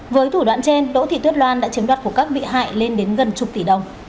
với thủ đoạn trên đỗ thị tuyết loan đã chiếm đoạt của các bị hại lên đến gần chục tỷ đồng